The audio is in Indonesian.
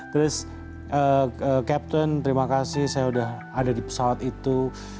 terus captain terima kasih saya sudah ada di pesawat itu